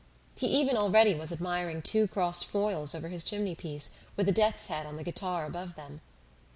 He even already was admiring two crossed foils over his chimney piece, with a death's head on the guitar above them.